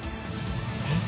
えっ？